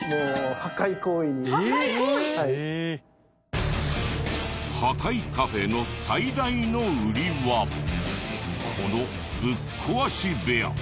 破壊カフェの最大の売りはこのぶっ壊し部屋。